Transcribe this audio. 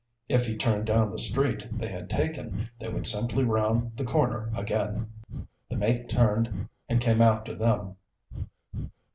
If he turned down the street they had taken, they would simply round the corner again. The mate turned and came after them.